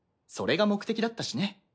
それが目的だったしね。